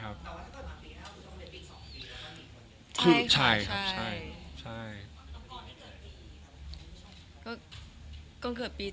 จะรักเธอเพียงคนเดียว